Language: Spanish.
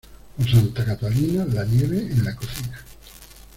Por Santa Catalina, la nieve en la cocina.